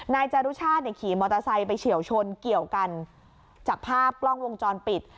นายจารุชาติเนี่ยขี่มอเตอร์ไซค์ไปเฉียวชนเกี่ยวกันจากภาพกล้องวงจรปิด